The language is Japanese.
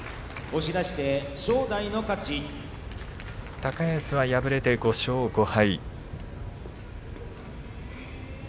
高安は敗れて５勝５敗。